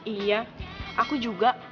iya aku juga